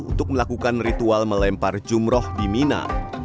untuk melakukan ritual melempar jumroh di mina